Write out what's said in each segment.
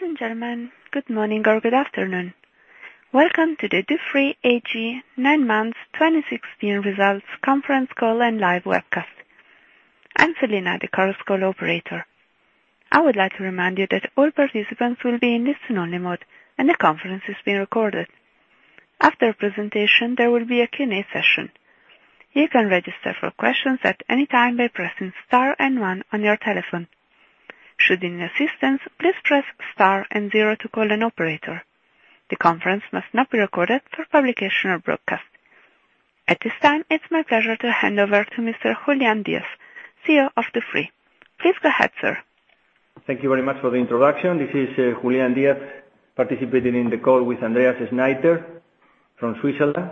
Ladies and gentlemen, good morning or good afternoon. Welcome to the Dufry AG 9 months 2016 results conference call and live webcast. I'm Selina, the conference call operator. I would like to remind you that all participants will be in listen-only mode and the conference is being recorded. After the presentation, there will be a Q&A session. You can register for questions at any time by pressing star 1 on your telephone. Should you need assistance, please press star 0 to call an operator. The conference must not be recorded for publication or broadcast. At this time, it's my pleasure to hand over to Mr. Julián Díaz, CEO of Dufry. Please go ahead, sir. Thank you very much for the introduction. This is Julián Díaz, participating in the call with Andreas Schneiter from Switzerland.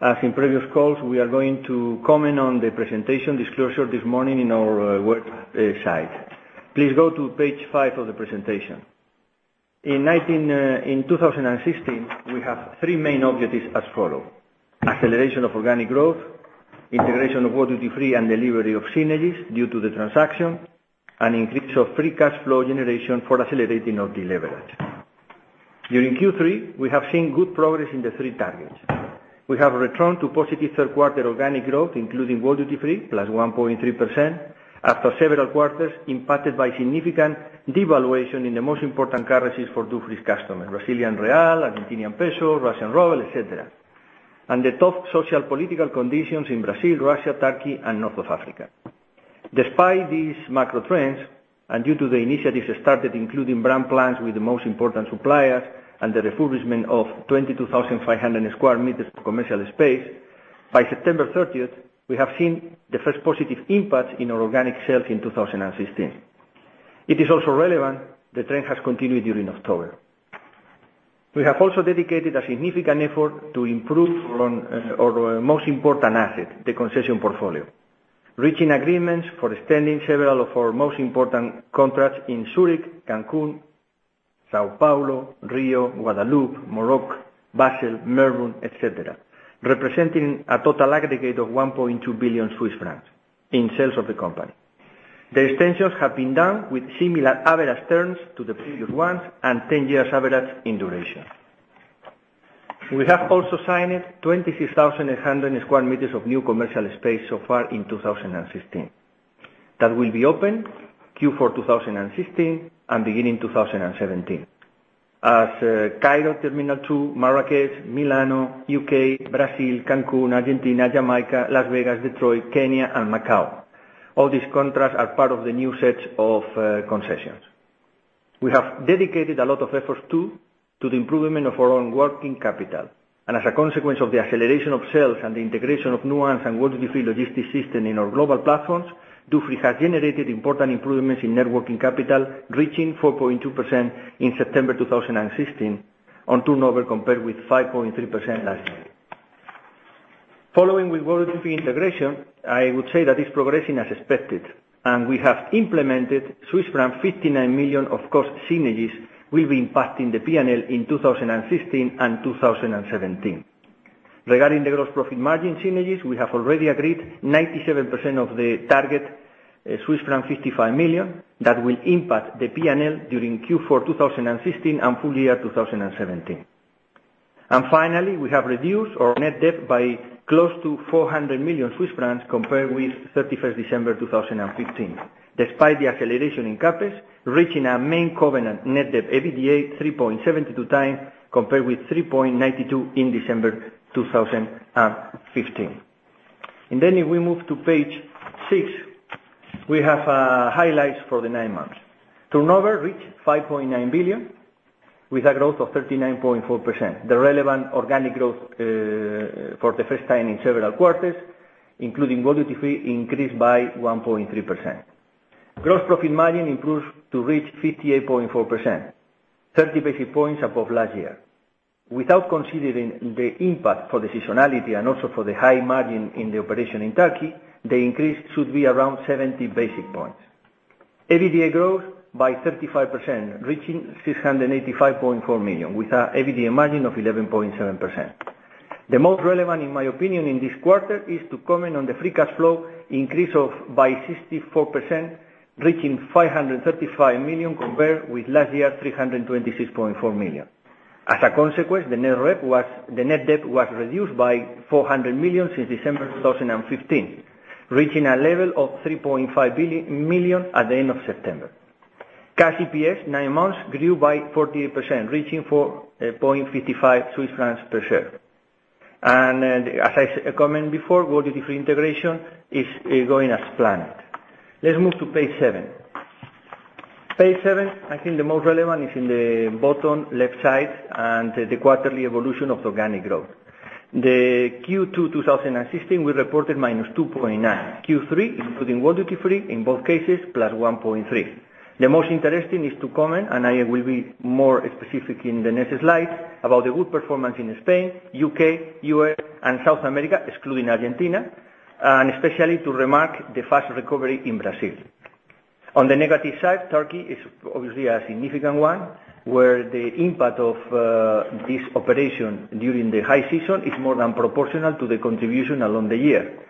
As in previous calls, we are going to comment on the presentation disclosure this morning on our website. Please go to page five of the presentation. In 2016, we have 3 main objectives as follows: acceleration of organic growth, integration of World Duty Free, and delivery of synergies due to the transaction, and increase of free cash flow generation for accelerating our deleverage. During Q3, we have seen good progress in the 3 targets. We have returned to positive 3rd quarter organic growth, including World Duty Free, plus 1.3%, after several quarters impacted by significant devaluation in the most important currencies for Dufry's customers, Brazilian real, Argentinian peso, Russian ruble, et cetera, and the tough sociopolitical conditions in Brazil, Russia, Turkey, and North Africa. Despite these macro trends, due to the initiatives started, including brand plans with the most important suppliers and the refurbishment of 22,500 sq m of commercial space, by September 30th, we have seen the first positive impact in our organic sales in 2016. It is also relevant, the trend has continued during October. We have also dedicated a significant effort to improve our most important asset, the concession portfolio, reaching agreements for extending several of our most important contracts in Zurich, Cancun, São Paulo, Rio, Guadeloupe, Morocco, Basel, Melbourne, et cetera, representing a total aggregate of 1.2 billion Swiss francs in sales of the company. The extensions have been done with similar average terms to the previous ones and 10 years average in duration. We have also signed 26,100 sq m of new commercial space so far in 2016. That will be open Q4 2016 and beginning 2017. As Cairo Terminal 2, Marrakech, Milan, U.K., Brazil, Cancun, Argentina, Jamaica, Las Vegas, Detroit, Kenya, and Macau. All these contracts are part of the new set of concessions. We have dedicated a lot of efforts to the improvement of our own working capital. As a consequence of the acceleration of sales and the integration of Nuance and World Duty Free logistics system in our global platforms, Dufry has generated important improvements in net working capital, reaching 4.2% in September 2016 on turnover, compared with 5.3% last year. Following with World Duty Free integration, I would say that it's progressing as expected, and we have implemented 59 million of cost synergies will be impacting the P&L in 2016 and 2017. Regarding the gross profit margin synergies, we have already agreed 97% of the target, Swiss franc 55 million, that will impact the P&L during Q4 2016 and full year 2017. Finally, we have reduced our net debt by close to 400 million Swiss francs compared with 31st December 2015. Despite the acceleration in CapEx, reaching our main covenant net debt/EBITDA 3.72x compared with 3.92x in December 2015. Then if we move to page six, we have highlights for the nine months. Turnover reached 5.9 billion, with a growth of 39.4%. The relevant organic growth, for the first time in several quarters, including World Duty Free, increased by 1.3%. Gross profit margin improved to reach 58.4%, 30 basic points above last year. Without considering the impact for the seasonality and also for the high margin in the operation in Turkey, the increase should be around 70 basic points. EBITDA grows by 35%, reaching 685.4 million, with an EBITDA margin of 11.7%. The most relevant, in my opinion, in this quarter, is to comment on the free cash flow increase by 64%, reaching 535 million compared with last year, 326.4 million. As a consequence, the net debt was reduced by 400 million since December 2015, reaching a level of 3.5 billion at the end of September. Cash EPS, nine months, grew by 48%, reaching 4.55 Swiss francs per share. As I commented before, World Duty Free integration is going as planned. Let's move to page seven. Page seven, I think the most relevant is in the bottom left side and the quarterly evolution of the organic growth. The Q2 2016, we reported -2.9%. Q3, including World Duty Free, in both cases, +1.3%. The most interesting is to comment, and I will be more specific in the next slide, about the good performance in Spain, U.K., U.S., and South America, excluding Argentina, and especially to remark the fast recovery in Brazil. On the negative side, Turkey is obviously a significant one, where the impact of this operation during the high season is more than proportional to the contribution along the year.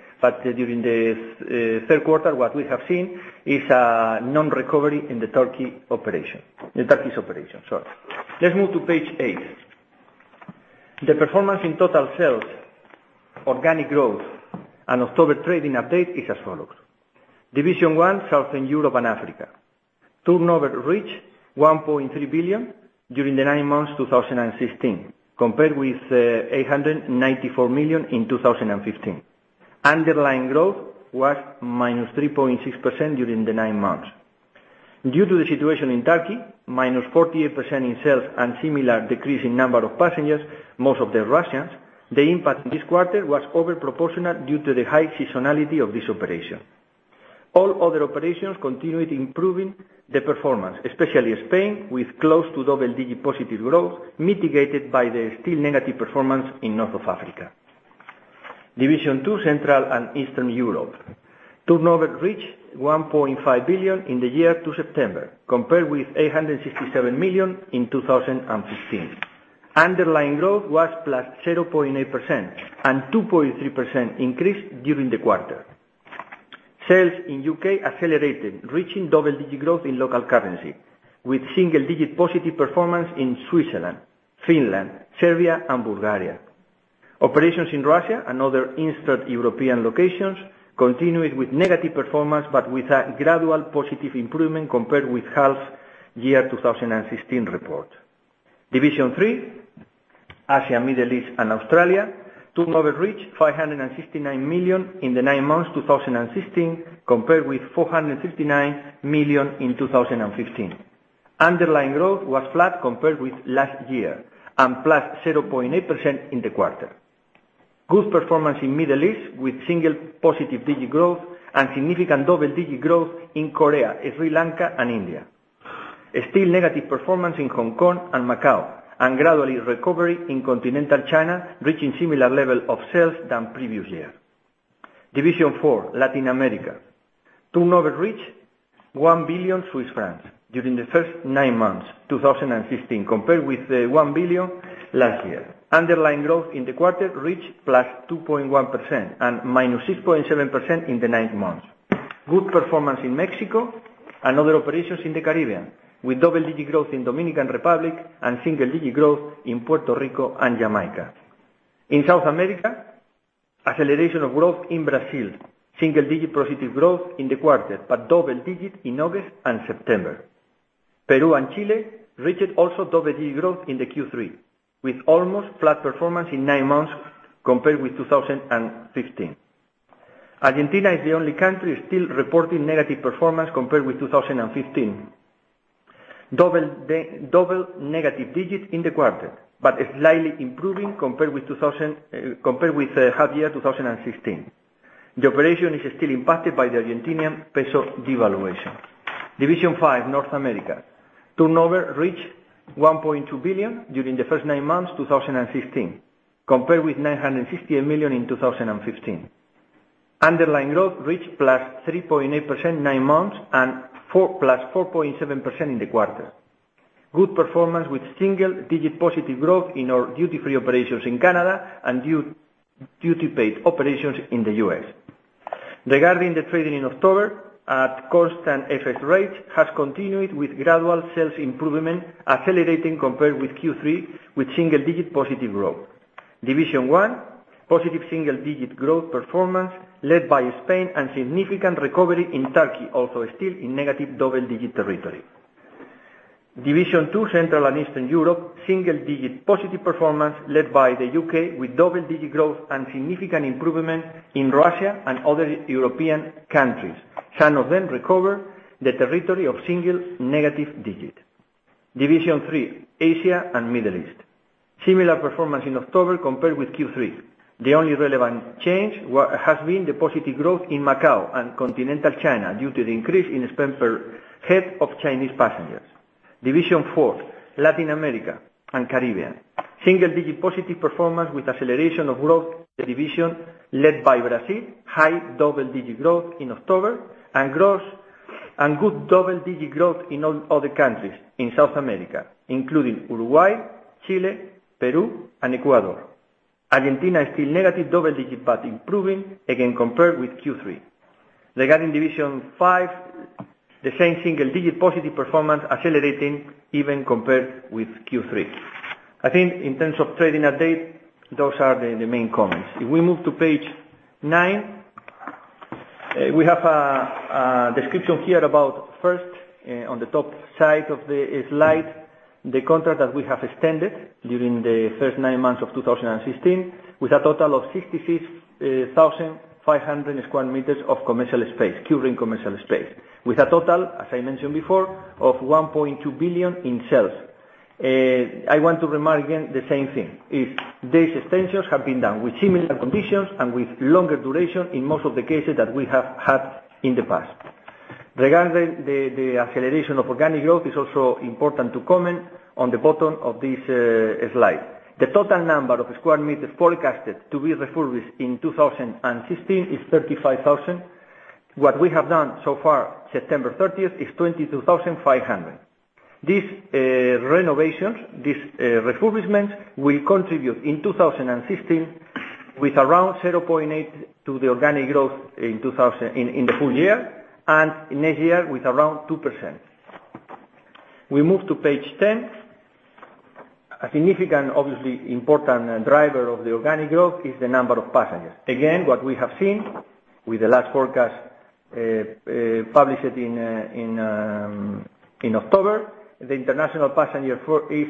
During the third quarter, what we have seen is a non-recovery in the Turkey's operation. Let's move to page eight. The performance in total sales, organic growth, and October trading update is as follows. Division 1, Southern Europe and Africa. Turnover reached 1.3 billion during the nine months 2016, compared with 894 million in 2015. Underlying growth was -3.6% during the nine months. Due to the situation in Turkey, -48% in sales and similar decrease in number of passengers, most of them Russians, the impact in this quarter was over proportional due to the high seasonality of this operation. All other operations continued improving the performance, especially Spain, with close to double-digit positive growth, mitigated by the still negative performance in North Africa. Division 2, Central and Eastern Europe. Turnover reached 1.5 billion in the year to September, compared with 867 million in 2015. Underlying growth was +0.8% and 2.3% increase during the quarter. Sales in U.K. accelerated, reaching double-digit growth in local currency, with single digit positive performance in Switzerland, Finland, Serbia and Bulgaria. Operations in Russia and other Eastern European locations continued with negative performance, but with a gradual positive improvement compared with half year 2016 report. Division 3, Asia, Middle East, and Australia. Turnover reached 569 million in the nine months 2016, compared with 469 million in 2015. Underlying growth was flat compared with last year and +0.8% in the quarter. Good performance in Middle East with single-digit positive growth and significant double-digit growth in Korea, Sri Lanka and India. Still negative performance in Hong Kong and Macau, and gradually recovery in continental China, reaching similar level of sales than previous year. Division Four, Latin America. Turnover reached 1 billion Swiss francs during the first nine months 2015, compared with 1 billion last year. Underlying growth in the quarter reached +2.1% and -6.7% in the nine months. Good performance in Mexico and other operations in the Caribbean, with double-digit growth in Dominican Republic and single-digit growth in Puerto Rico and Jamaica. In South America, acceleration of growth in Brazil, single-digit positive growth in the quarter, but double-digit in August and September. Peru and Chile reached also double-digit growth in the Q3, with almost flat performance in nine months compared with 2015. Argentina is the only country still reporting negative performance compared with 2015. Double-digit negative in the quarter, but slightly improving compared with half-year 2016. The operation is still impacted by the Argentinian peso devaluation. Division Five, North America. Turnover reached 1.2 billion during the first nine months 2016, compared with 968 million in 2015. Underlying growth reached +3.8% nine months and +4.7% in the quarter. Good performance with single-digit positive growth in our duty-free operations in Canada and duty paid operations in the U.S. Regarding the trading in October, at constant FX rate, has continued with gradual sales improvement, accelerating compared with Q3, with single-digit positive growth. Division One, positive single-digit growth performance led by Spain and significant recovery in Turkey, also still in negative double-digit territory. Division Two, Central and Eastern Europe, single-digit positive performance led by the U.K. with double-digit growth and significant improvement in Russia and other European countries. Some of them recover the territory of single-digit negative. Division Three, Asia and Middle East. Similar performance in October compared with Q3. The only relevant change has been the positive growth in Macau and continental China, due to the increase in spend per head of Chinese passengers. Division Four, Latin America and Caribbean. Single-digit positive performance with acceleration of growth division led by Brazil, high double-digit growth in October and good double-digit growth in all other countries in South America, including Uruguay, Chile, Peru and Ecuador. Argentina is still negative double-digit, but improving again compared with Q3. Regarding Division Five, the same single-digit positive performance accelerating even compared with Q3. I think in terms of trading update, those are the main comments. If we move to page nine, we have a description here about first, on the top side of the slide, the contract that we have extended during the first nine months of 2016, with a total of 66,500 sq m of current commercial space, with a total, as I mentioned before, of 1.2 billion in sales. I want to remark again the same thing. These extensions have been done with similar conditions and with longer duration in most of the cases that we have had in the past. Regarding the acceleration of organic growth, it's also important to comment on the bottom of this slide. The total number of sq m forecasted to be refurbished in 2016 is 35,000. What we have done so far, September 30th, is 22,500. These renovations, this refurbishment, will contribute in 2016 with around 0.8 to the organic growth in the full year, and next year with around 2%. We move to page 10. A significant, obviously important driver of the organic growth is the number of passengers. Again, what we have seen with the last forecast published in October, the international passenger flow is,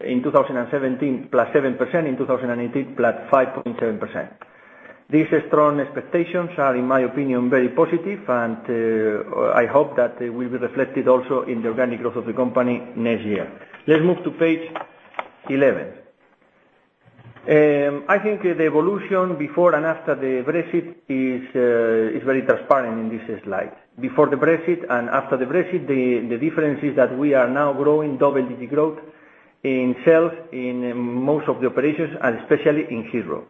in 2017, +7%, in 2018, +5.7%. These strong expectations are, in my opinion, very positive, and I hope that they will be reflected also in the organic growth of the company next year. Let's move to page 11. I think the evolution before and after the Brexit is very transparent in this slide. Before the Brexit and after the Brexit, the difference is that we are now growing double-digit growth in sales in most of the operations, and especially in Heathrow.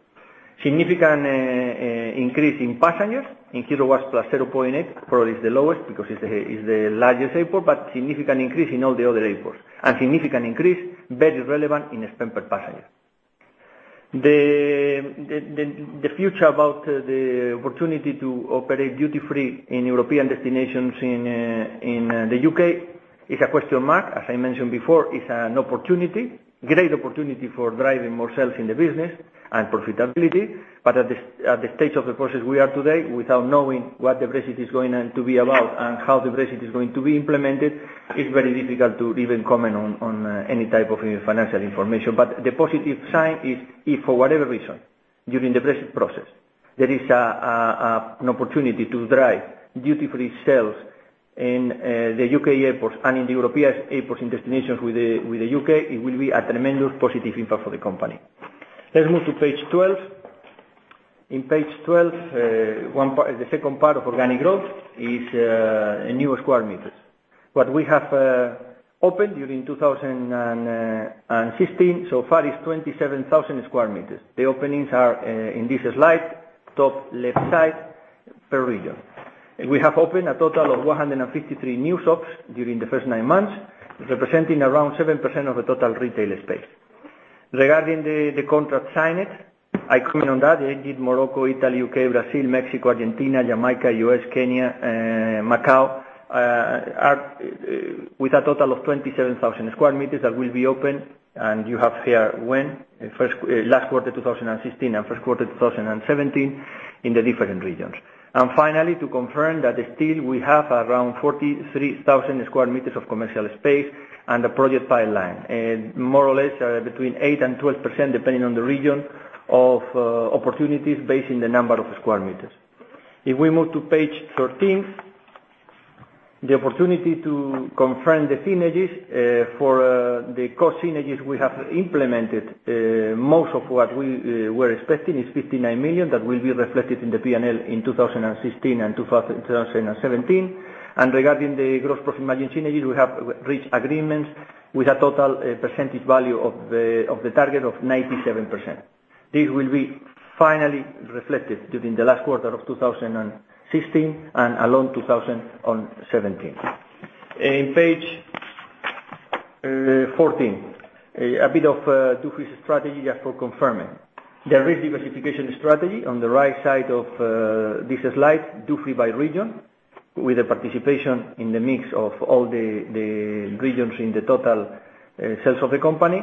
Significant increase in passengers. In Heathrow was +0.8, probably is the lowest because it's the largest airport, but significant increase in all the other airports, and significant increase, very relevant in spend per passenger. The future about the opportunity to operate duty free in European destinations in the U.K. is a question mark. As I mentioned before, it's an opportunity, great opportunity for driving more sales in the business and profitability. At the stage of the process we are today, without knowing what the Brexit is going to be about and how the Brexit is going to be implemented, it's very difficult to even comment on any type of financial information. The positive sign is, if for whatever reason, during the Brexit process, there is an opportunity to drive duty free sales in the U.K. airports and in the European airports in destinations with the U.K., it will be a tremendous positive impact for the company. Let's move to page 12. In page 12, the second part of organic growth is new sq m. What we have opened during 2016 so far is 27,000 sq m. The openings are in this slide, top left side, per region. We have opened a total of 153 new shops during the first nine months, representing around 7% of the total retail space. Regarding the contract signed, I comment on that. Indeed, Morocco, Italy, U.K., Brazil, Mexico, Argentina, Jamaica, U.S., Kenya, Macau, with a total of 27,000 sq m that will be opened. You have here when, last quarter 2016 and first quarter 2017 in the different regions. Finally, to confirm that still we have around 43,000 sq m of commercial space, and the project pipeline, more or less between 8%-12%, depending on the region of opportunities based in the number of sq m. If we move to page 13, the opportunity to confirm the synergies. For the cost synergies we have implemented, most of what we were expecting is 59 million. That will be reflected in the P&L in 2016 and 2017. Regarding the gross profit margin synergies, we have reached agreements with a total percentage value of the target of 97%. This will be finally reflected during the last quarter of 2016 and along 2017. On page 14, a bit of Dufry strategy for confirming. The risk diversification strategy on the right side of this slide, Dufry by region, with the participation in the mix of all the regions in the total sales of the company.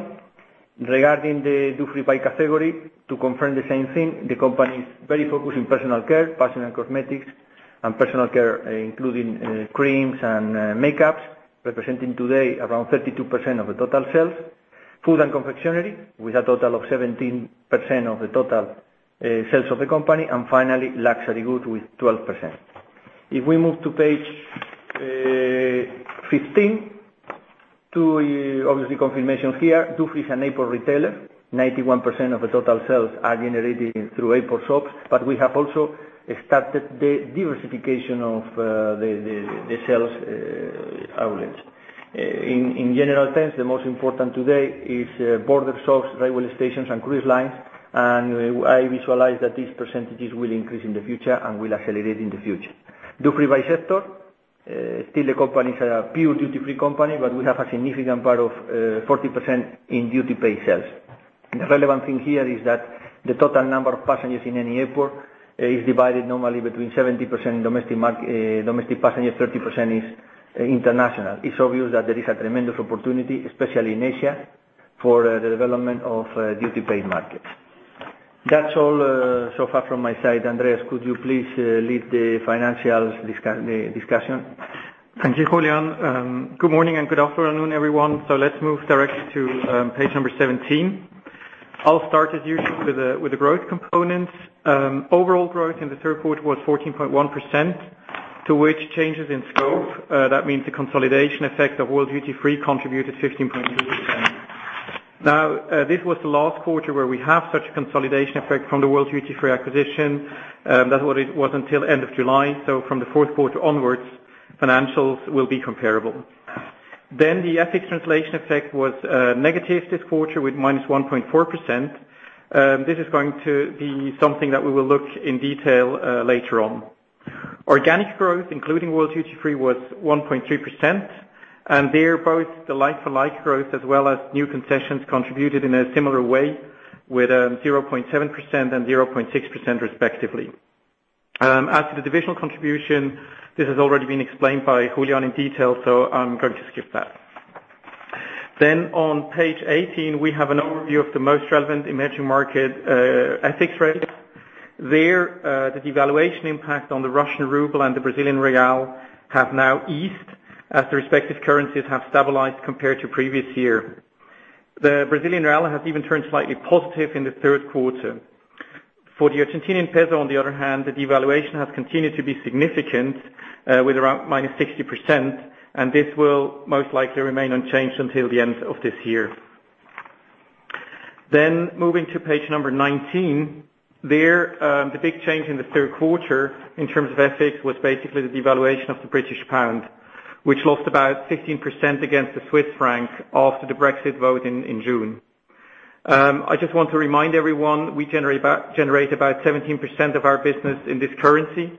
Regarding the Dufry by category, to confirm the same thing, the company is very focused on personal care, personal cosmetics, and personal care including creams and makeups, representing today around 32% of the total sales. food and confectionery, with a total of 17% of the total sales of the company. And finally, luxury goods with 12%. If we move to page 15, two obviously confirmation here. Dufry is an airport retailer, 91% of the total sales are generated through airport shops, but we have also started the diversification of the sales outlet. In general terms, the most important today is border shops, railway stations, and cruise lines. I visualize that these percentages will increase in the future and will accelerate in the future. Dufry by sector. Still the company is a pure duty free company, but we have a significant part of 40% in duty paid sales. The relevant thing here is that the total number of passengers in any airport is divided normally between 70% in domestic passengers, 30% is international. It's obvious that there is a tremendous opportunity, especially in Asia, for the development of duty paid markets. That's all so far from my side. Andreas, could you please lead the financial discussion? Thank you, Julián. Good morning and good afternoon, everyone. Let's move directly to page number 17. I'll start as usual with the growth components. Overall growth in the third quarter was 14.1%, to which changes in scope, that means the consolidation effect of World Duty Free contributed 15.8%. This was the last quarter where we have such a consolidation effect from the World Duty Free acquisition. That was until end of July, from the fourth quarter onwards, financials will be comparable. The FX translation effect was negative this quarter with -1.4%. This is going to be something that we will look in detail later on. organic growth, including World Duty Free, was 1.3%. There both the like-for-like growth as well as new concessions contributed in a similar way with 0.7% and 0.6% respectively. As to the divisional contribution, this has already been explained by Julián in detail, I'm going to skip that. On page 18, we have an overview of the most relevant emerging market FX rates. There, the devaluation impact on the Russian ruble and the Brazilian real have now eased as the respective currencies have stabilized compared to previous year. The Brazilian real has even turned slightly positive in the third quarter. For the Argentinian peso, on the other hand, the devaluation has continued to be significant, with around -60%. This will most likely remain unchanged until the end of this year. Moving to page number 19. There, the big change in the third quarter in terms of FX was basically the devaluation of the British pound, which lost about 15% against the Swiss franc after the Brexit vote in June. I just want to remind everyone, we generate about 17% of our business in this currency.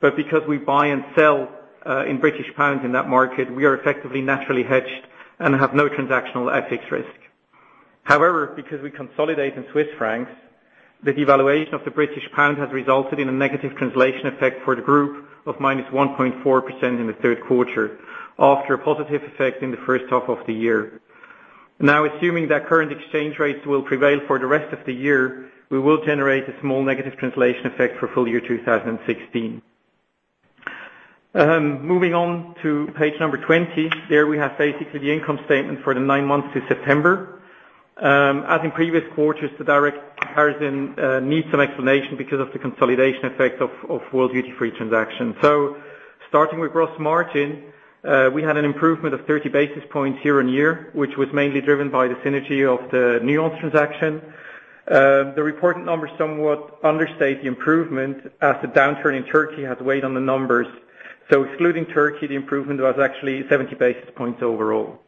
Because we buy and sell in GBP in that market, we are effectively naturally hedged and have no transactional FX risk. However, because we consolidate in CHF, the devaluation of the GBP has resulted in a negative translation effect for the group of -1.4% in the third quarter after a positive effect in the first half of the year. Assuming that current exchange rates will prevail for the rest of the year, we will generate a small negative translation effect for full year 2016. Moving on to page 20. There we have basically the income statement for the nine months to September. As in previous quarters, the direct comparison needs some explanation because of the consolidation effect of World Duty Free transaction. Starting with gross profit margin, we had an improvement of 30 basis points year-on-year, which was mainly driven by the synergy of the Nuance transaction. The reported numbers somewhat understate the improvement as the downturn in Turkey has weighed on the numbers. Excluding Turkey, the improvement was actually 70 basis points overall.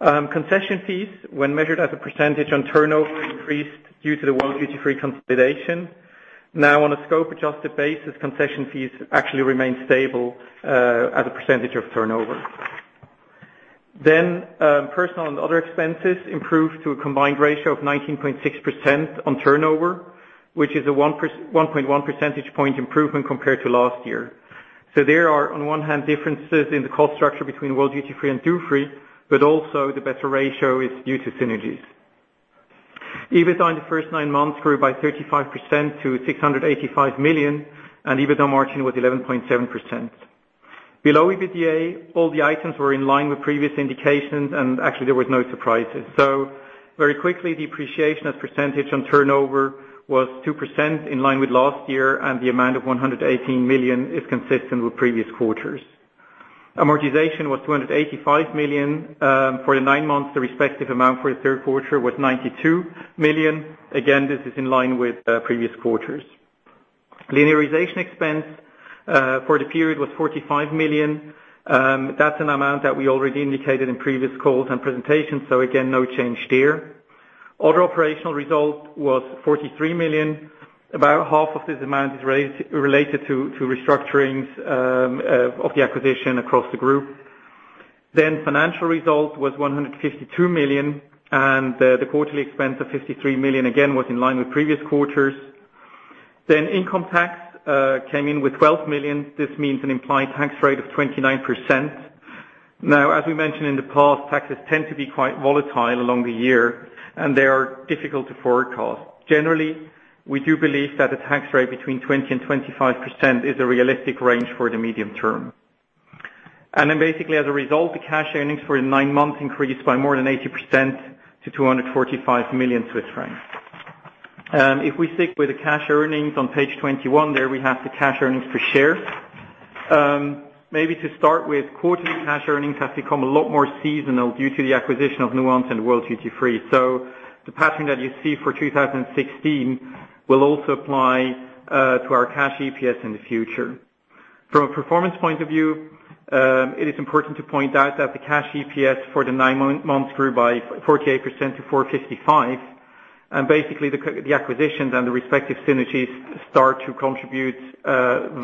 Concession fees when measured as a percentage on turnover increased due to the World Duty Free consolidation. On a scope-adjusted basis, concession fees actually remain stable as a percentage of turnover. Personal and other expenses improved to a combined ratio of 19.6% on turnover, which is a 1.1 percentage point improvement compared to last year. There are on one hand, differences in the cost structure between World Duty Free and Dufry, but also the better ratio is due to synergies. EBITDA in the first nine months grew by 35% to 685 million, and EBITDA margin was 11.7%. Below EBITDA, all the items were in line with previous indications, and actually there were no surprises. Very quickly, depreciation as a percentage on turnover was 2% in line with last year, and the amount of 118 million is consistent with previous quarters. Amortization was 285 million. For the nine months, the respective amount for the third quarter was 92 million. Again, this is in line with previous quarters. Linearization expense for the period was 45 million. That's an amount that we already indicated in previous calls and presentations, again, no change there. Other operational result was 43 million. About half of this amount is related to restructurings of the acquisition across the group. Financial result was 152 million. The quarterly expense of 53 million again, was in line with previous quarters. Income tax came in with 12 million. This means an implied tax rate of 29%. As we mentioned in the past, taxes tend to be quite volatile along the year, and they are difficult to forecast. Generally, we do believe that a tax rate between 20%-25% is a realistic range for the medium term. As a result, the cash EPS for the nine months increased by more than 80% to 245 million Swiss francs. If we stick with the cash EPS on page 21, there we have the cash EPS. Maybe to start with, quarterly cash EPS has become a lot more seasonal due to the acquisition of Nuance and World Duty Free. The pattern that you see for 2016 will also apply to our cash EPS in the future. From a performance point of view, it is important to point out that the cash EPS for the nine months grew by 48% to 4.55. Basically, the acquisitions and the respective synergies start to contribute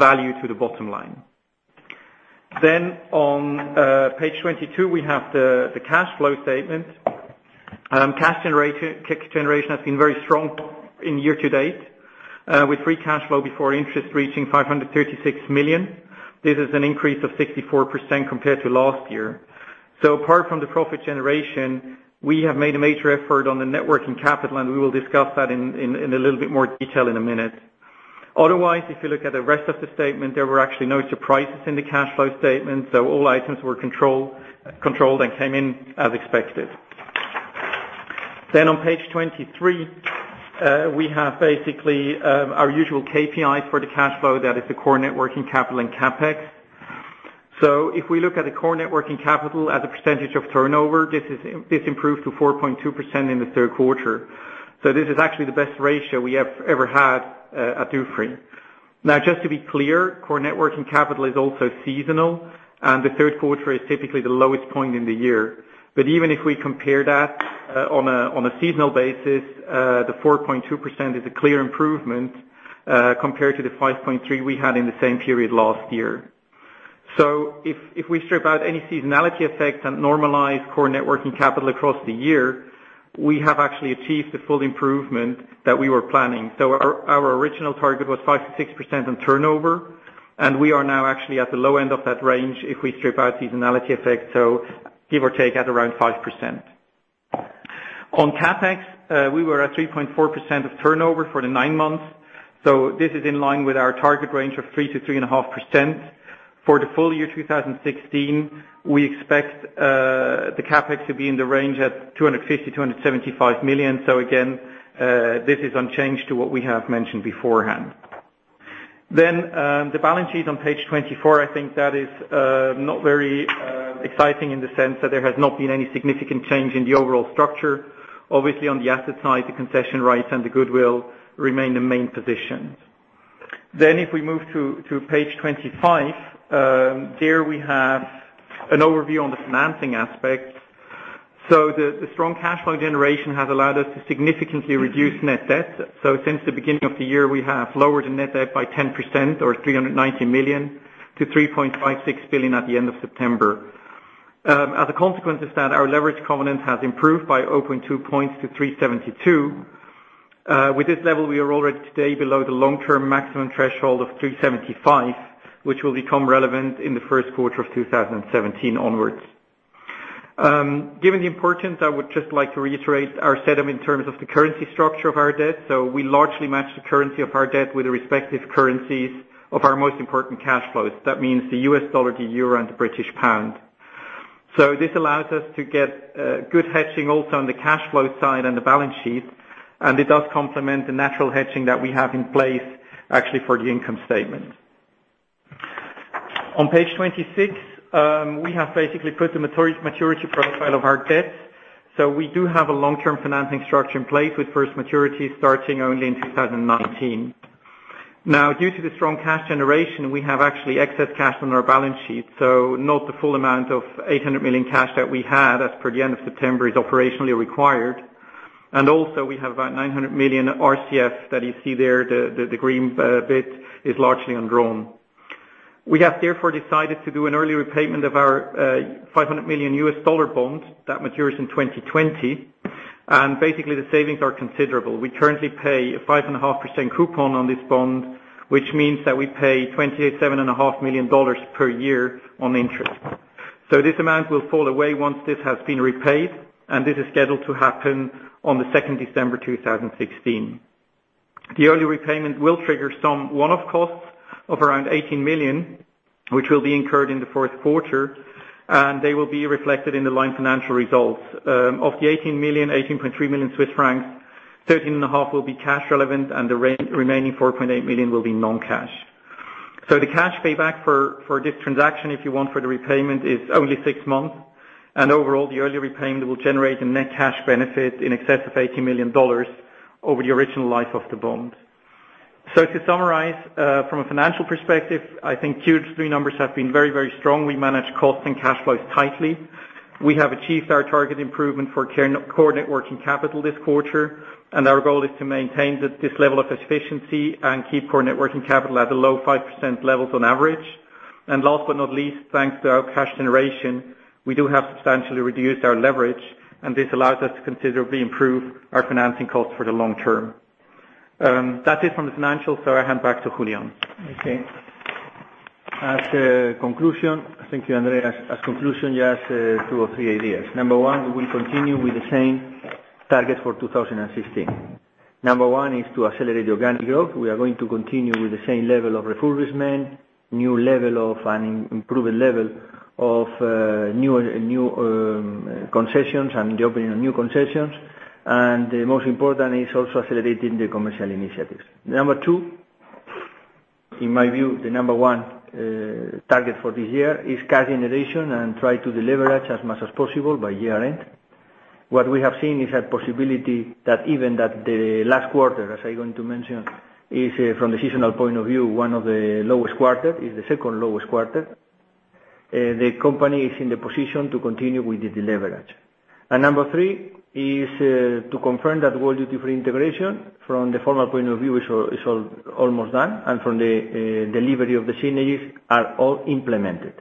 value to the bottom line. On page 22, we have the cash flow statement. Cash generation has been very strong in year-to-date, with free cash flow before interest reaching 536 million. This is an increase of 64% compared to last year. Apart from the profit generation, we have made a major effort on the net working capital, and we will discuss that in a little bit more detail in a minute. Otherwise, if you look at the rest of the statement, there were actually no surprises in the cash flow statement, all items were controlled and came in as expected. On page 23, we have basically our usual KPI for the cash flow. That is the core net working capital and CapEx. If we look at the core net working capital as a percentage of turnover, this improved to 4.2% in the third quarter. This is actually the best ratio we have ever had at Dufry. Just to be clear, core net working capital is also seasonal, and the third quarter is typically the lowest point in the year. Even if we compare that on a seasonal basis, the 4.2% is a clear improvement, compared to the 5.3% we had in the same period last year. If we strip out any seasonality effects and normalize core net working capital across the year, we have actually achieved the full improvement that we were planning. Our original target was 5%-6% on turnover, and we are now actually at the low end of that range if we strip out seasonality effects, give or take at around 5%. On CapEx, we were at 3.4% of turnover for the nine months. This is in line with our target range of 3%-3.5%. For the full year 2016, we expect the CapEx to be in the range at 250 million-275 million. Again, this is unchanged to what we have mentioned beforehand. The balance sheet on page 24, I think that is not very exciting in the sense that there has not been any significant change in the overall structure. Obviously, on the asset side, the concession rights and the goodwill remain the main positions. If we move to page 25, there we have an overview on the financing aspect. The strong cash flow generation has allowed us to significantly reduce net debt. Since the beginning of the year, we have lowered the net debt by 10% or 390 million to 3.56 billion at the end of September. As a consequence of that, our leverage covenant has improved by 0.2 points to 3.72. With this level, we are already today below the long-term maximum threshold of 3.75, which will become relevant in the first quarter of 2017 onwards. Given the importance, I would just like to reiterate our setup in terms of the currency structure of our debt. We largely match the currency of our debt with the respective currencies of our most important cash flows. That means the US dollar, the euro, and the British pound. This allows us to get good hedging also on the cash flow side and the balance sheet, and it does complement the natural hedging that we have in place actually for the income statement. On page 26, we have basically put the maturity profile of our debt. We do have a long-term financing structure in place with first maturity starting only in 2019. Due to the strong cash generation, we have actually excess cash on our balance sheet. Not the full amount of 800 million cash that we had as per the end of September is operationally required. Also we have about 900 million RCF that you see there, the green bit is largely undrawn. We have therefore decided to do an early repayment of our $500 million bond that matures in 2020. Basically the savings are considerable. We currently pay a 5.5% coupon on this bond, which means that we pay $27.5 million per year on interest. This amount will fall away once this has been repaid. This is scheduled to happen on the 2nd December 2016. The early repayment will trigger some one-off costs of around 18 million, which will be incurred in the fourth quarter. They will be reflected in the line financial results. Of the 18 million, 18.3 million Swiss francs, 13 and a half will be cash relevant and the remaining 4.8 million will be non-cash. The cash payback for this transaction, if you want for the repayment, is only six months. Overall, the early repayment will generate a net cash benefit in excess of $18 million over the original life of the bond. To summarize, from a financial perspective, I think Q3 numbers have been very, very strong. We manage costs and cash flows tightly. We have achieved our target improvement for core net working capital this quarter. Our goal is to maintain this level of efficiency and keep core net working capital at a low 5% levels on average. Last but not least, thanks to our cash generation, we do have substantially reduced our leverage. This allows us to considerably improve our financing costs for the long term. That is from the financial, I hand back to Julián. Okay. As a conclusion, thank you, Andreas. As conclusion, yes, two or three ideas. Number one, we will continue with the same target for 2016. Number one is to accelerate the organic growth. We are going to continue with the same level of refurbishment, new level of an improved level of new concessions and the opening of new concessions. The most important is also facilitating the commercial initiatives. Number two, in my view, the number one target for this year is cash generation and try to deleverage as much as possible by year-end. What we have seen is a possibility that even that the last quarter, as I going to mention, is from the seasonal point of view, one of the lowest quarter, is the second lowest quarter. The company is in the position to continue with the deleverage. Number three is to confirm that World Duty Free integration from the formal point of view is almost done, and from the delivery of the synergies are all implemented.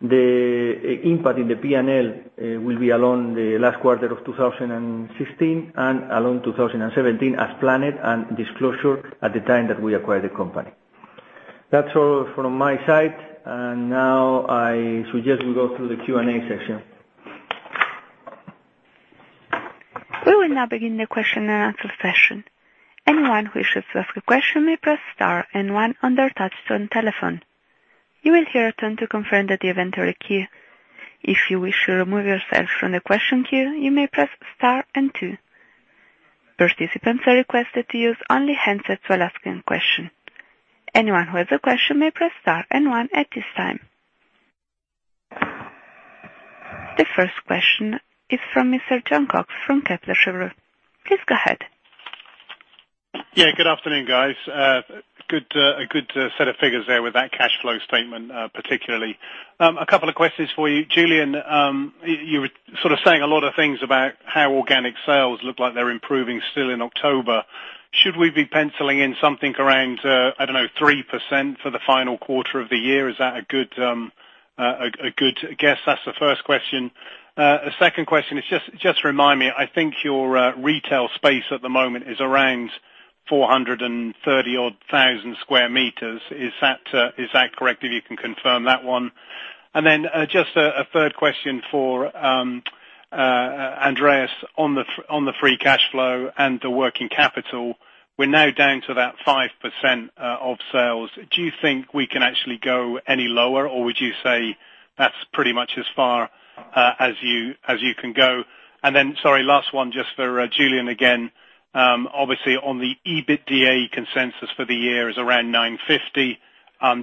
The impact in the P&L will be along the last quarter of 2016 and along 2017 as planned and disclosure at the time that we acquired the company. That's all from my side. Now I suggest we go through the Q&A session. We will now begin the question and answer session. Anyone who wishes to ask a question may press star and one on their touch-tone telephone. You will hear a tone to confirm that you have entered a queue. If you wish to remove yourself from the question queue, you may press Star and two. Participants are requested to use only handsets while asking question. Anyone who has a question may press Star and one at this time. The first question is from Mr. Jon Cox from Kepler Cheuvreux. Please go ahead. Yeah, good afternoon, guys. A good set of figures there with that cash flow statement, particularly. A couple of questions for you, Julián. You were sort of saying a lot of things about how organic sales look like they're improving still in October. Should we be penciling in something around, I don't know, 3% for the final quarter of the year? Is that a good guess? That's the first question. A second question is, just remind me, I think your retail space at the moment is around 430-odd thousand square meters. Is that correct? If you can confirm that one. Just a third question for Andreas on the free cash flow and the working capital. We're now down to that 5% of sales. Do you think we can actually go any lower, or would you say that's pretty much as far as you can go? Sorry, last one just for Julián again. Obviously, on the EBITDA consensus for the year is around 950.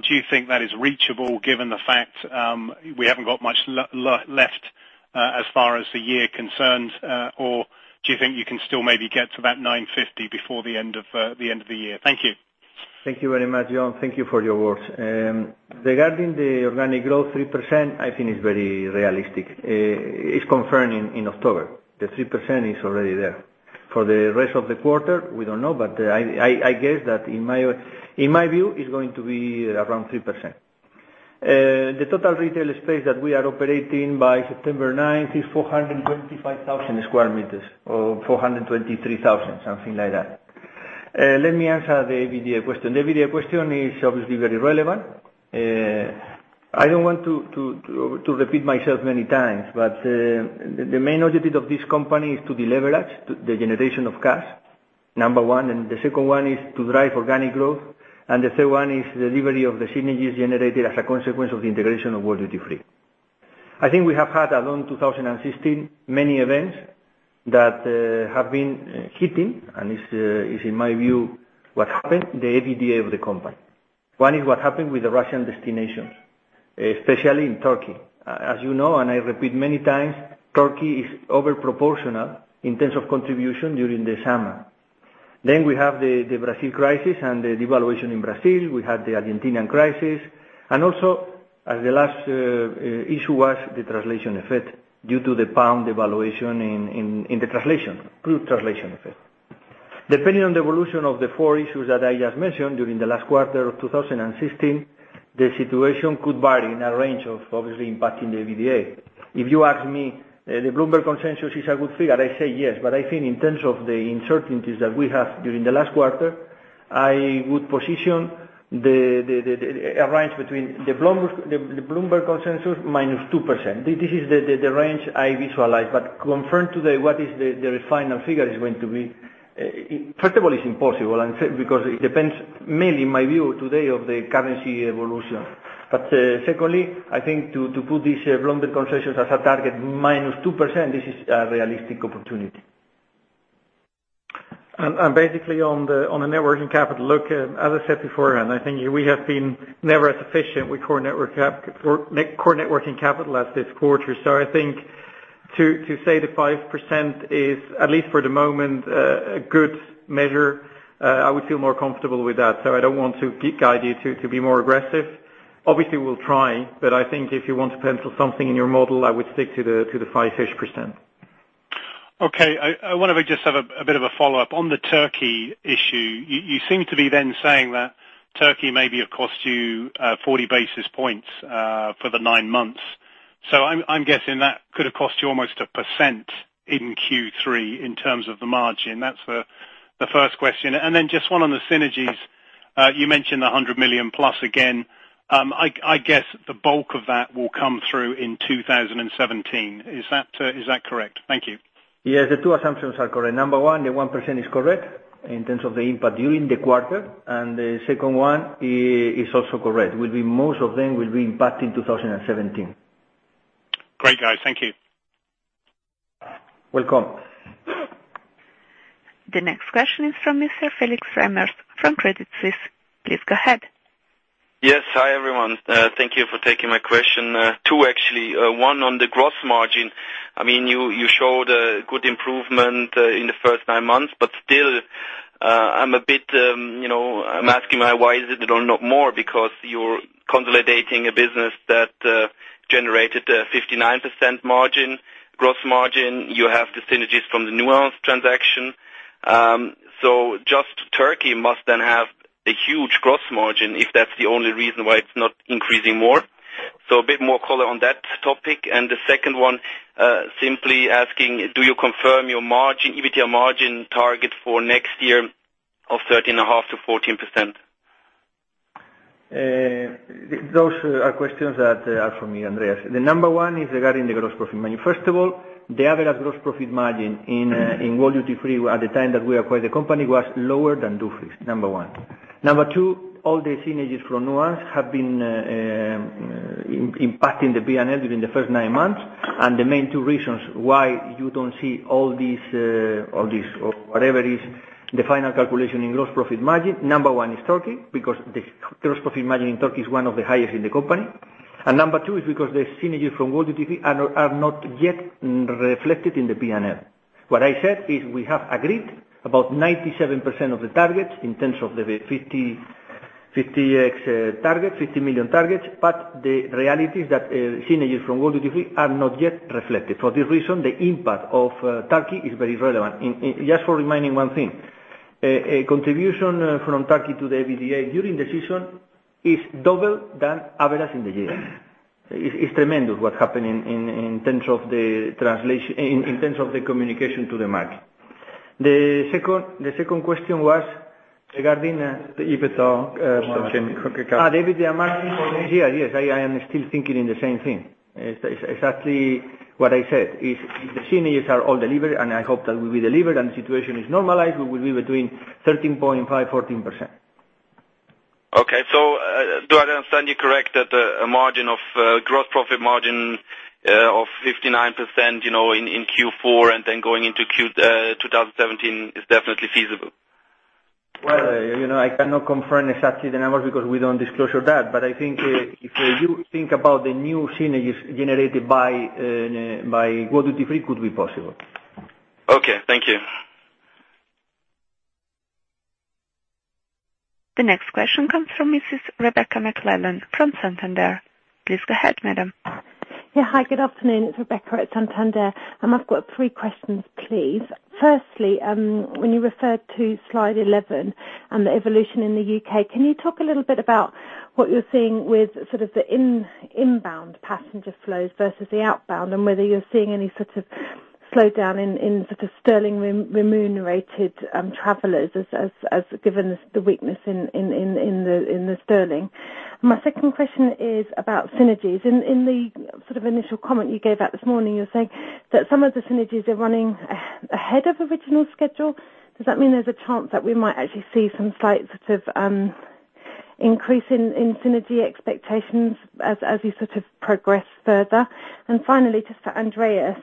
Do you think that is reachable given the fact we haven't got much left as far as the year concerned? Do you think you can still maybe get to that 950 before the end of the year? Thank you. Thank you very much, Jon. Thank you for your words. Regarding the organic growth, 3%, I think it's very realistic. It's confirmed in October, the 3% is already there. For the rest of the quarter, we don't know, but I guess that in my view, it's going to be around 3%. The total retail space that we are operating by September 9th is 425,000 sq m, or 423,000, something like that. Let me answer the EBITDA question. The EBITDA question is obviously very relevant. I don't want to repeat myself many times, but the main objective of this company is to deleverage, the generation of cash, number one. The second one is to drive organic growth, and the third one is delivery of the synergies generated as a consequence of the integration of World Duty Free. I think we have had, along 2016, many events that have been hitting, and is in my view what happened, the EBITDA of the company. One is what happened with the Russian destinations, especially in Turkey. As you know, I repeat many times, Turkey is over proportional in terms of contribution during the summer. We have the Brazil crisis and the devaluation in Brazil. We had the Argentinian crisis. Also, as the last issue was the translation effect due to the GBP devaluation in the translation, group translation effect. Depending on the evolution of the four issues that I just mentioned during the last quarter of 2016, the situation could vary in a range of obviously impacting the EBITDA. If you ask me, the Bloomberg consensus is a good figure, I say yes, but I think in terms of the uncertainties that we have during the last quarter, I would position a range between the Bloomberg consensus minus 2%. This is the range I visualize, but confirmed today what is the final figure is going to be, first of all, it's impossible because it depends mainly, in my view, today of the currency evolution. Secondly, I think to put this Bloomberg consensus as a target minus 2%, this is a realistic opportunity. Basically on the net working capital, look, as I said beforehand, I think we have been never as efficient with core net working capital as this quarter. I think to say the 5% is, at least for the moment, a good measure, I would feel more comfortable with that, I don't want to guide you to be more aggressive. Obviously, we'll try, but I think if you want to pencil something in your model, I would stick to the five-ish percent. Okay. I want to just have a bit of a follow-up. On the Turkey issue, you seem to be then saying that Turkey may be have cost you 40 basis points for the nine months. I'm guessing that could have cost you almost 1% in Q3 in terms of the margin. That's the first question. Just one on the synergies. You mentioned the 100 million plus again. I guess the bulk of that will come through in 2017. Is that correct? Thank you. Yes, the two assumptions are correct. Number 1, the 1% is correct in terms of the impact during the quarter, and the second one is also correct. Most of them will be impacting 2017. Great, guys. Thank you. Welcome. The next question is from Mr. Felix Remmers from Credit Suisse. Please go ahead. Yes. Hi, everyone. Thank you for taking my question. Two, actually. One on the gross margin. Still, I'm asking why is it not more because you're consolidating a business that generated a 59% margin, gross margin. You have the synergies from the Nuance transaction. Just Turkey must then have a huge gross margin if that's the only reason why it's not increasing more. A bit more color on that topic. The second one, simply asking, do you confirm your EBITDA margin target for next year of 13.5% to 14%? Those are questions that are for me, Andreas. The number one is regarding the gross profit margin. First of all, the average gross profit margin in World Duty Free at the time that we acquired the company was lower than Dufry's, number one. Number two, all the synergies from Nuance have been impacting the P&L during the first nine months. The main two reasons why you don't see all these or whatever is the final calculation in gross profit margin. Number one is Turkey, because the gross profit margin in Turkey is one of the highest in the company. Number two is because the synergies from World Duty Free are not yet reflected in the P&L. What I said is we have agreed about 97% of the targets in terms of the 50 50x target, 50 million targets. The reality is that synergies from World Duty Free are not yet reflected. For this reason, the impact of Turkey is very relevant. Just for reminding one thing, a contribution from Turkey to the EBITDA during the season is double than average in the year. It's tremendous what happened in terms of the communication to the market. The second question was regarding the EBITDA structure. One more time. The EBITDA margin for next year. Yes, I am still thinking in the same thing. It is exactly what I said. If the synergies are all delivered, and I hope that will be delivered, and the situation is normalized, we will be between 13.5%-14%. Okay. Do I understand you correct, that a gross profit margin of 59% in Q4 and then going into 2017 is definitely feasible? Well, I cannot confirm exactly the numbers because we don't disclose that. I think if you think about the new synergies generated by World Duty Free, could be possible. Okay. Thank you. The next question comes from Mrs. Rebecca McClellan from Santander. Please go ahead, madam. Yeah. Hi, good afternoon. It's Rebecca at Santander, I've got three questions, please. Firstly, when you referred to slide 11 on the evolution in the U.K., can you talk a little bit about what you're seeing with the inbound passenger flows versus the outbound, and whether you're seeing any sort of slowdown in sterling remunerated travelers, as given the weakness in the sterling. My second question is about synergies. In the initial comment you gave out this morning, you were saying that some of the synergies are running ahead of original schedule. Does that mean there's a chance that we might actually see some slight increase in synergy expectations as you progress further? Finally, just for Andreas,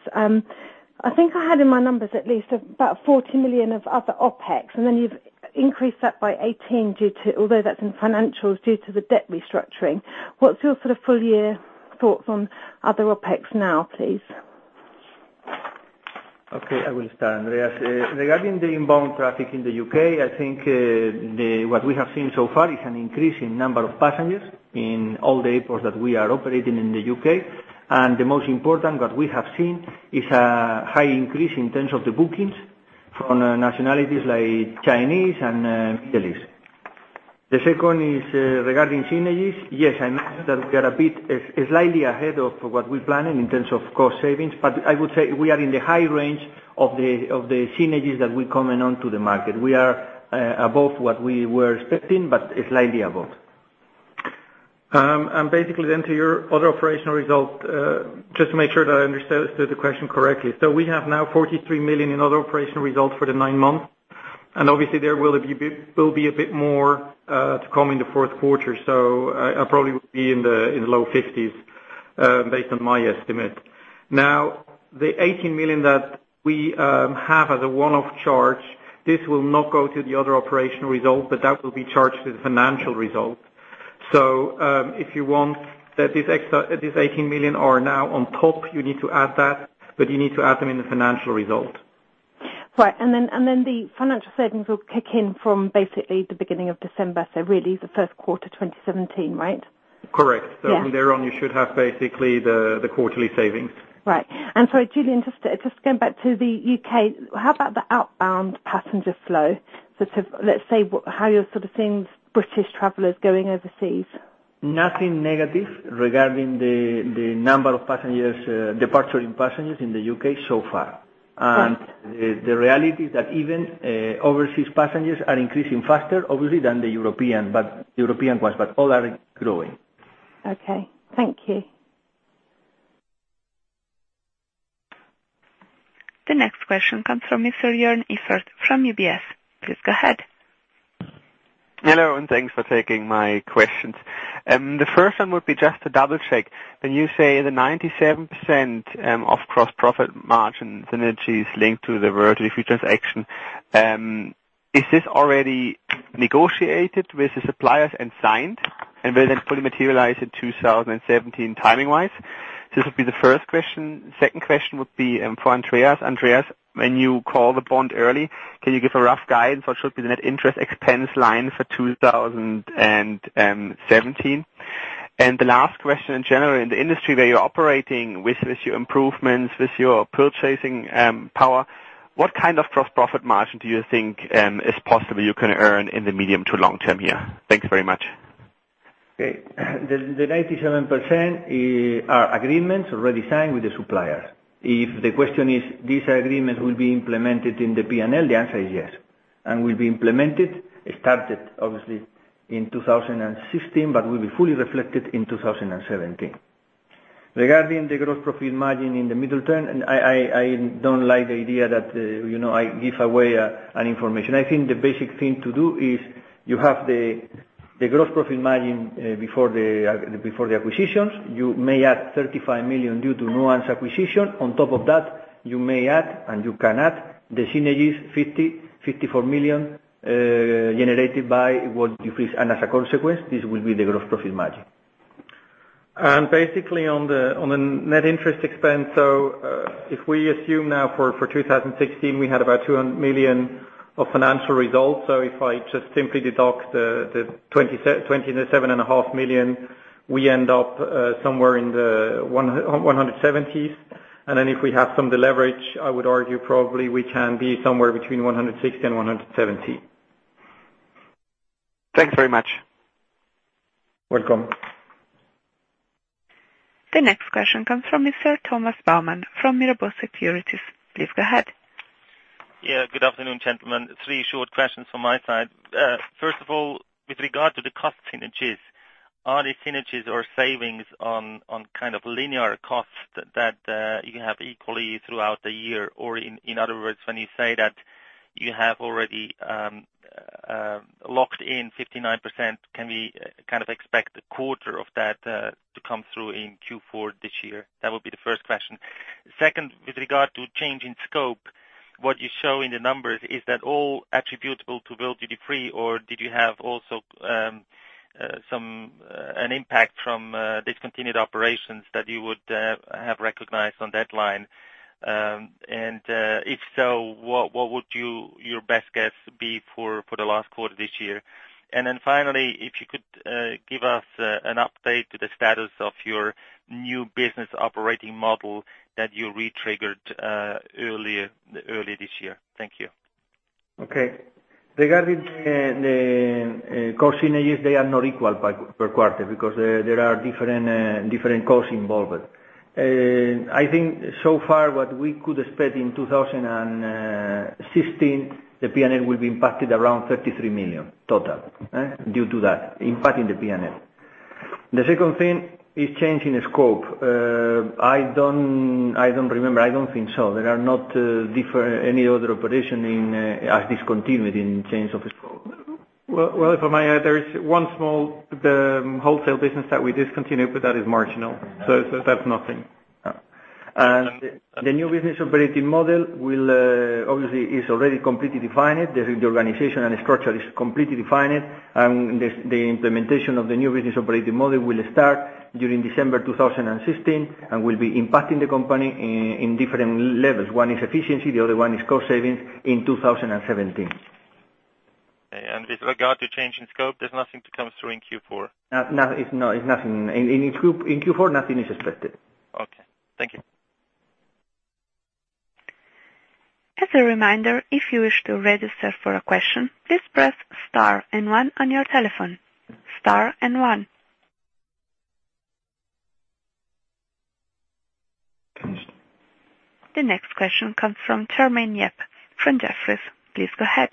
I think I had in my numbers at least about 40 million of other OpEx, then you've increased that by 18, although that's in financials due to the debt restructuring. What's your full year thoughts on other OpEx now, please? Okay. I will start, Andreas. Regarding the inbound traffic in the U.K., I think what we have seen so far is an increase in number of passengers in all the airports that we are operating in the U.K. The most important that we have seen is a high increase in terms of the bookings from nationalities like Chinese and Middle East. The second is regarding synergies. Yes, I know that we are a bit slightly ahead of what we planned in terms of cost savings, but I would say we are in the high range of the synergies that we comment on to the market. We are above what we were expecting, but slightly above. Basically, to your other operational results, just to make sure that I understood the question correctly. We have now 43 million in other operational results for the nine months, and obviously there will be a bit more to come in the fourth quarter. I probably would be in the low 50s, based on my estimate. The 18 million that we have as a one-off charge, this will not go to the other operational result, but that will be charged to the financial result. If you want this extra, this 18 million are now on top. You need to add that, but you need to add them in the financial result. Right. The financial savings will kick in from basically the beginning of December, really the first quarter 2017, right? Correct. Yeah. From there on, you should have basically the quarterly savings. Right. Sorry, Julián, just going back to the U.K., how about the outbound passenger flow? Let's say how you're sort of seeing British travelers going overseas. Nothing negative regarding the departure in passengers in the U.K. so far. Yes. The reality is that even overseas passengers are increasing faster, obviously, than the European ones, but all are growing. Okay. Thank you. The next question comes from Mr. Joern Iffert from UBS. Please go ahead. Hello. Thanks for taking my questions. The first one would be just to double-check. When you say the 97% of gross profit margin synergies linked to the [Variety] Futures action, is this already negotiated with the suppliers and signed? Will it fully materialize in 2017, timing-wise? This would be the first question. Second question would be for Andreas. Andreas, when you call the bond early, can you give a rough guide for what should be the net interest expense line for 2017? The last question, in general, in the industry where you're operating with your improvements, with your purchasing power, what kind of gross profit margin do you think is possible you can earn in the medium to long term here? Thanks very much. Okay. The 97% are agreements already signed with the supplier. If the question is this agreement will be implemented in the P&L, the answer is yes. It will be implemented, started obviously in 2016, but will be fully reflected in 2017. Regarding the gross profit margin in the medium term, I don't like the idea that I give away information. I think the basic thing to do is you have the gross profit margin before the acquisitions. You may add 35 million due to Nuance acquisition. On top of that, you may add and you can add the synergies, 54 million, generated by World Duty Free. As a consequence, this will be the gross profit margin. Basically on the net interest expense, if we assume now for 2016, we had about 200 million of financial results. If I just simply deduct the 27.5 million, we end up somewhere in the CHF 170s. If we have some deleverage, I would argue probably we can be somewhere between 160 and 170. Thanks very much. Welcome. The next question comes from Mr. Thomas Baumann from Mirabaud Securities. Please go ahead. Good afternoon, gentlemen. three short questions from my side. First of all, with regard to the cost synergies, are the synergies or savings on kind of linear costs that you have equally throughout the year? Or in other words, when you say that you have already locked in 59%, can we kind of expect a quarter of that to come through in Q4 this year? That would be the first question. Second, with regard to change in scope, what you show in the numbers, is that all attributable to World Duty Free, or did you have also an impact from discontinued operations that you would have recognized on that line? If so, what would your best guess be for the last quarter this year? Finally, if you could give us an update to the status of your new business operating model that you re-triggered early this year. Thank you. Okay. Regarding the cost synergies, they are not equal per quarter because there are different costs involved. I think so far what we could expect in 2016, the P&L will be impacted around 33 million total due to that impact in the P&L. The second thing is change in scope. I don't remember. I don't think so. There are not any other operation as discontinued in change of scope. Well, if I may, there is one small wholesale business that we discontinued, but that is marginal. That's nothing. The new business operating model obviously is already completely defined. The organization and structure is completely defined. The implementation of the new business operating model will start during December 2016 and will be impacting the company in different levels. One is efficiency, the other one is cost savings in 2017. Okay. With regard to change in scope, there's nothing to come through in Q4? No, it's nothing. In Q4, nothing is expected. Okay. Thank you. As a reminder, if you wish to register for a question, please press star and one on your telephone. Star and one. The next question comes from Tremaine Yep from Jefferies. Please go ahead.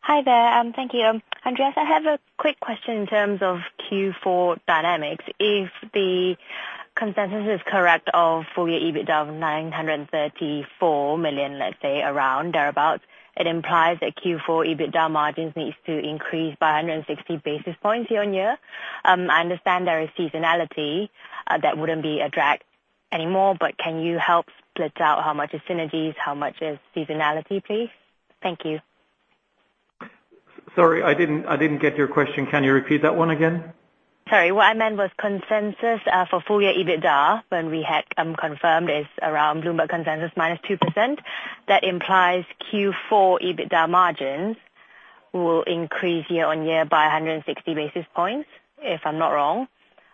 Hi there. Thank you. Andreas, I have a quick question in terms of Q4 dynamics. If the consensus is correct of full year EBITDA of 934 million, let's say around thereabout, it implies that Q4 EBITDA margins needs to increase by 160 basis points year-on-year. I understand there is seasonality that wouldn't be a drag anymore, but can you help split out how much is synergies, how much is seasonality, please? Thank you. Sorry, I didn't get your question. Can you repeat that one again? Sorry. What I meant was consensus for full year EBITDA, when we had confirmed is around Bloomberg consensus minus 2%. That implies Q4 EBITDA margins will increase year-over-year by 160 basis points, if I'm not wrong.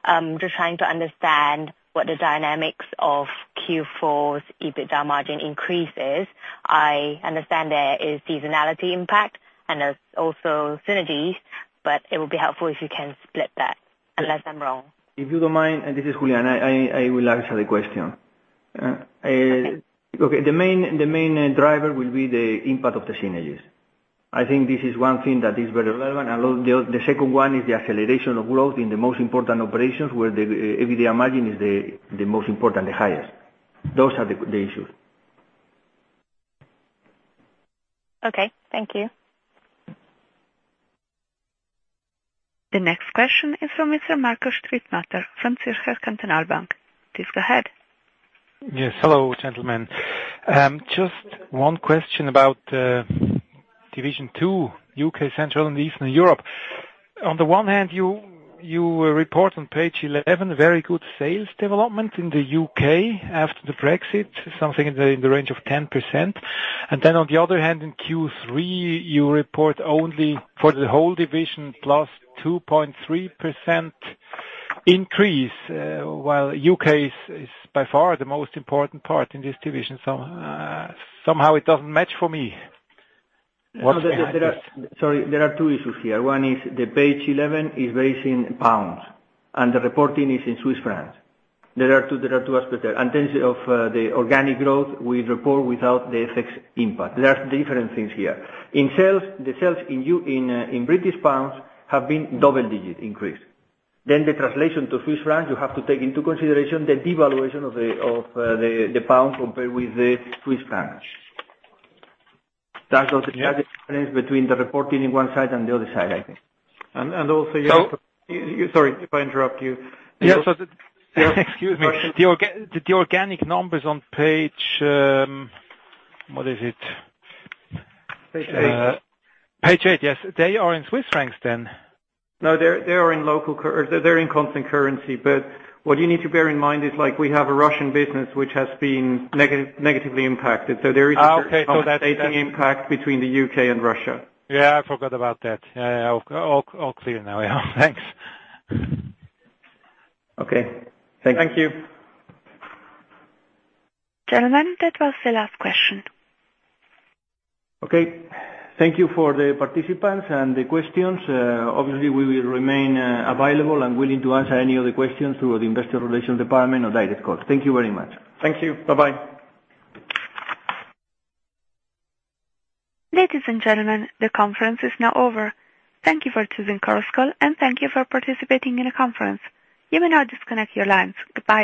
I'm just trying to understand what the dynamics of Q4's EBITDA margin increase is. I understand there is seasonality impact, and there's also synergies, but it would be helpful if you can split that. Unless I'm wrong. If you don't mind, this is Julián. I will answer the question. Okay. The main driver will be the impact of the synergies. I think this is one thing that is very relevant. The second one is the acceleration of growth in the most important operations where the EBITDA margin is the most important, the highest. Those are the issues. Okay. Thank you. The next question is from Mr. Marco Strittmatter from Zürcher Kantonalbank. Please go ahead. Yes. Hello, gentlemen. Just one question about division 2, U.K., Central and Eastern Europe. On the one hand, you report on page 11 very good sales development in the U.K. after the Brexit, something in the range of 10%. On the other hand, in Q3, you report only for the whole division plus 2.3% increase, while U.K. is by far the most important part in this division. Somehow it doesn't match for me. Sorry. There are two issues here. One is the page 11 is based in pounds and the reporting is in Swiss francs. There are two aspects there. In terms of the organic growth, we report without the FX impact. There are different things here. The sales in British pounds have been double-digit increase. The translation to Swiss francs, you have to take into consideration the devaluation of the pound compared with the Swiss francs. That was the difference between the reporting in one side and the other side, I think. Also, sorry to interrupt you. Excuse me. The organic numbers on page What is it? Page eight. Page eight, yes. They are in Swiss francs then? No, they're in constant currency. What you need to bear in mind is we have a Russian business which has been negatively impacted. Okay impact between the U.K. and Russia. Yeah, I forgot about that. All clear now. Thanks. Okay. Thank you. Thank you. Gentlemen, that was the last question. Okay. Thank you for the participants and the questions. Obviously, we will remain available and willing to answer any other questions through the investor relations department or direct call. Thank you very much. Thank you. Bye-bye. Ladies and gentlemen, the conference is now over. Thank you for choosing Chorus Call, and thank you for participating in the conference. You may now disconnect your lines. Goodbye.